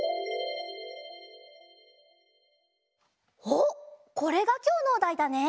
おっこれがきょうのおだいだね？